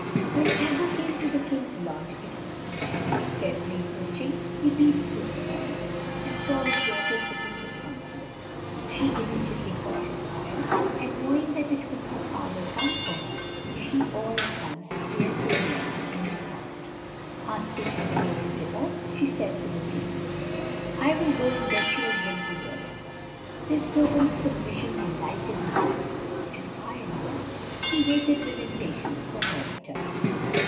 When Aggo came to the king's lodge it was evening. Carefully approaching, he peeped through the sides, and saw his daughter sitting disconsolate. She immediately caught his eye, and knowing that it was her father come for her, she all at once appeared to relent in her heart. Asking for the royal dipper, she said to the king: "I will go and get you a drink of water." This token of submission delighted his majesty, and, high in hope, he waited with impatience for her return.